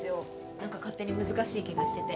何か勝手に難しい気がしてて。